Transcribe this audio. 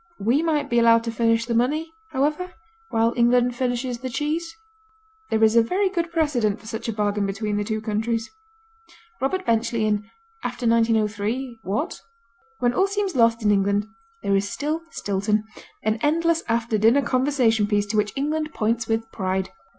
We might be allowed to furnish the money, however, while England furnishes the cheese. There is a very good precedent for such a bargain between the two countries. Robert Benchley, in After 1903 What? When all seems lost in England there is still Stilton, an endless after dinner conversation piece to which England points with pride.